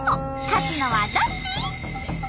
勝つのはどっち！？